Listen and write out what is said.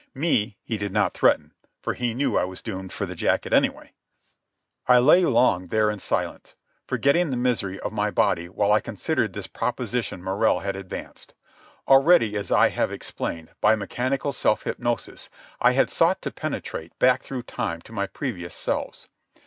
Me he did not threaten, for he knew I was doomed for the jacket anyway. I lay long there in the silence, forgetting the misery of my body while I considered this proposition Morrell had advanced. Already, as I have explained, by mechanical self hypnosis I had sought to penetrate back through time to my previous selves.